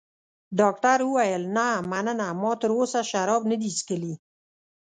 ډاکټر وویل: نه، مننه، ما تراوسه شراب نه دي څښلي.